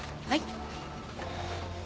はい。